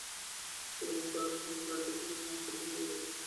কিন্তু মশকরারও রাজনৈতিক চরিত্র থাকে বা মশকরায় ভিন্ন অর্থ তৈরি হয়ে যায়।